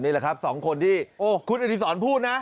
นี่แหละครับสองคนที่คุณอดีศรพูดนะ